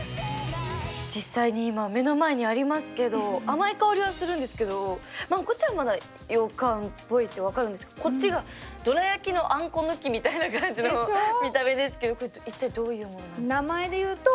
実際に今目の前にありますけど甘い香りはするんですけどこっちはまだようかんっぽいって分かるんですけどこっちがどら焼きのあんこ抜きみたいな感じの見た目ですけど一体どういうものなんですか？